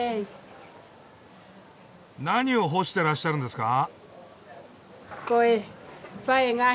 何を干してらっしゃるんですか？